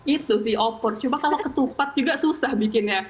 itu sih opor cuma kalau ketupat juga susah bikinnya